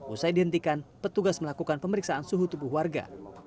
usai dihentikan petugas melakukan pemeriksaan suhu tubuh warga